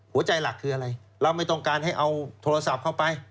หลักคืออะไรเราไม่ต้องการให้เอาโทรศัพท์เข้าไป